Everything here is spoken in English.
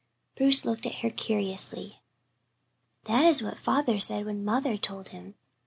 Bruce looked at her curiously. "That is what father said when mother told him.